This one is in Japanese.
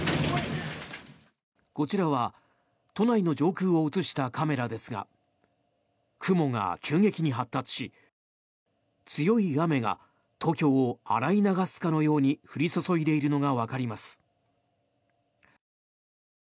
こちらは都内の上空を映したカメラですが雲が急激に発達し、強い雨が東京を洗い流すかのように降り注いでいるのがわかります。